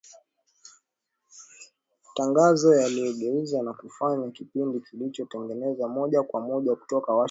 matangazo yaligeuzwa na kufanywa kipindi kilichotangazwa moja kwa moja kutoka Washington